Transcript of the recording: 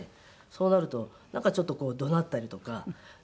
そうなるとなんかちょっとこう怒鳴ったりとか。